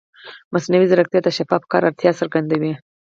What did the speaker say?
مصنوعي ځیرکتیا د شفاف کار اړتیا څرګندوي.